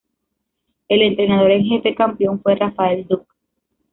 El entrenador en jefe campeón fue Rafael Duk.